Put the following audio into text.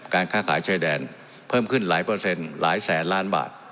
การค้าขายชายแดนเพิ่มขึ้นหลายเปอร์เซ็นต์หลายแสนล้านบาท